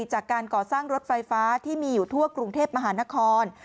จากการก่อสร้างรถไฟฟ้าที่มีอยู่ทั่วกรุงเทพมหานคร